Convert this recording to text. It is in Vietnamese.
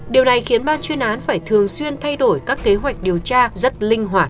điều này khiến ban chuyên án phải thường xuyên thay đổi các kế hoạch điều tra rất linh hoạt